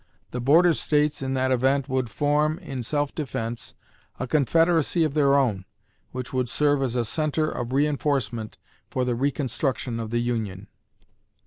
The Border States, in that event, would form, in self defence, a Confederacy of their own, which would serve as a centre of reinforcement for the reconstruction of the Union.